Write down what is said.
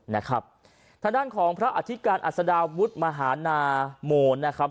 นะครับทางด้านของพระอธิการอัศดาวุฒิมหานาโมนนะครับ